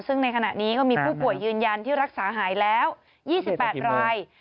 ซึ่งในขณะนี้ก็มีผู้ป่วยยืนยันที่รักษาหายแล้ว๒๘ราย